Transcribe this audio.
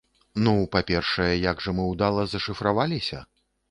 Ну, па-першае, як жа мы ўдала зашыфраваліся!